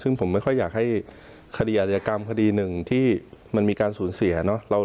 ซึ่งผมไม่ค่อยอยากให้คดีอาจยกรรมคดีหนึ่งที่มันมีการสูญเสียเนาะ